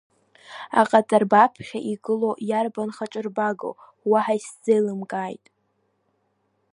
Аҟаҵарба аԥхьа игылоу иарбан хаҿырбагоу уаҳа исзеилымкааит.